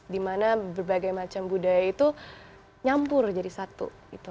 dimana berbagai macam budaya itu nyampur jadi satu